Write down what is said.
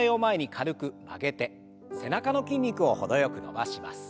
背中の筋肉をほどよく伸ばします。